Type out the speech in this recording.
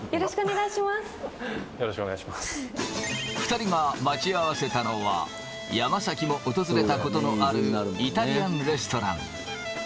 ２人が待ち合わせたのは、山崎も訪れたことのあるイタリアンレストラン。